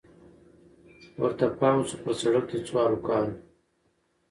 ورته پام سو پر سړک د څو هلکانو